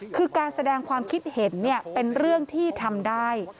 คือการแสดงความคิดเห็นเป็นเรื่องที่ทำได้